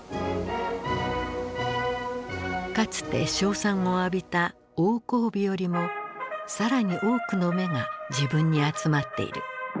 かつて称賛を浴びた王光美よりも更に多くの目が自分に集まっている。